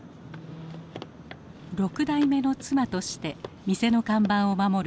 ６代目の妻として店の看板を守る